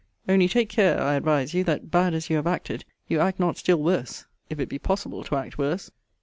Only take care, I advise you, that, bad as you have acted, you act not still worse, if it be possible to act worse.